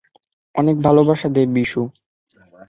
অনেক ভালোবাসা দেয়, বিশু।